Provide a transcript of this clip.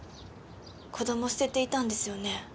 子供捨てていたんですよね？